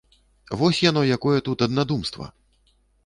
Вось яно якое тут аднадумства!